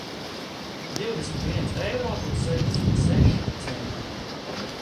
Divdesmit viens eiro un sešdesmit seši centi